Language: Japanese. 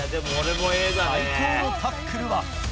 最高のタックルは？